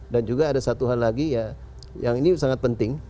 dan juga ada satu hal lagi ya yang ini sangat penting